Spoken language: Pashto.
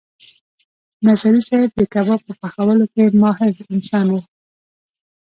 نظري صیب د کباب په پخولو کې ماهر انسان و.